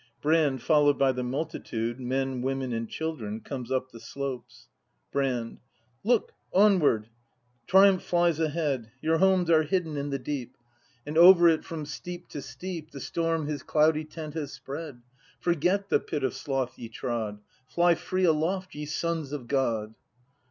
Brand, followed by the multitude — men, women, and children, — comes up the slopes. Brand. Look onward! Triumph flics ahead! Your homes are hidden in the deep. ACTv] BRAND 267 And over it, from steep to steep. The storm his cloudy tent has spread. Forget the pit of sloth ye trod, Fly free aloft, ye sons of God!